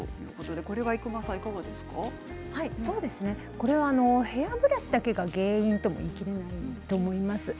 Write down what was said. これはヘアブラシだけが原因ではないと思います。